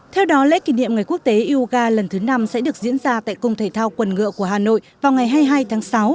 theo đó lễ kỷ niệm ngày quốc tế yoga lần thứ năm sẽ được diễn ra tại cung thể thao quần ngựa của hà nội vào ngày hai mươi hai tháng sáu